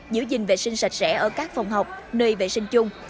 giữ gìn vệ sinh sạch sẽ ở các phòng học nơi vệ sinh chung